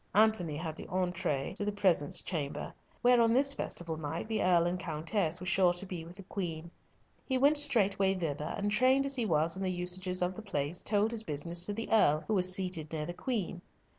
Antony had the entree to the presence chamber, where on this festival night the Earl and Countess were sure to be with the Queen. He went straightway thither, and trained as he was in the usages of the place, told his business to the Earl, who was seated near the Queen.